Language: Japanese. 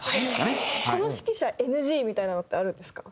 この指揮者ＮＧみたいなのってあるんですか？